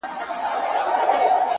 علم د پوهې بنسټ جوړوي!.